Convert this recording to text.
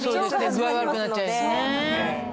具合悪くなっちゃいますね。